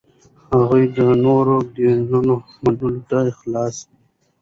هغه د نورو دینونو منلو ته خلاص دی.